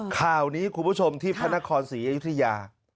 ข่าวนี้คุณผู้ชมที่พระนครศรีอยุธยา